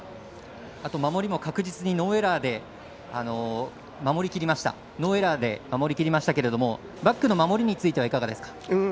守りも確実にノーエラーで守りきりましたけれどもバックの守りについてはいかがですか。